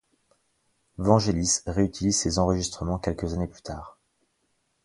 Vangelis réutilise ces enregistrements quelques années plus tard.